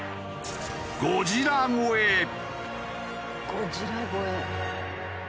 ゴジラ超え！